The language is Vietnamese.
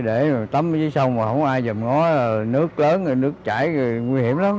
để tắm dưới sông mà không ai dùm ngó nước lớn nước chảy nguy hiểm lắm